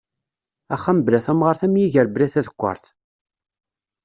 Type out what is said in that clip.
Axxam bla tamɣart am yiger bla tadekkart.